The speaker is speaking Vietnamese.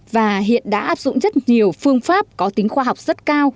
và hiện đã áp dụng rất nhiều phương pháp có tính khoa học rất cao